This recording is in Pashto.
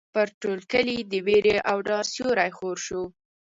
پر ټول کلي د وېرې او ډار سیوری خور شو.